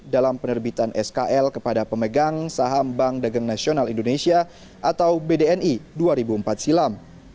dalam penerbitan skl kepada pemegang saham bank dagang nasional indonesia atau bdni dua ribu empat silam